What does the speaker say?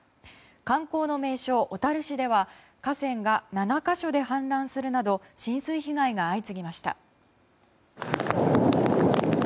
観光の名所、小樽市では河川が７か所で氾濫するなど浸水被害が相次ぎました。